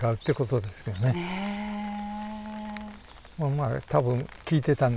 まあ多分聞いてたんでしょう。